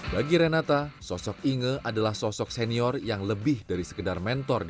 bagi renata sosok inge adalah sosok senior yang lebih dari sekedar mentor